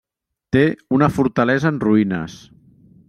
Té una fortalesa en ruïnes.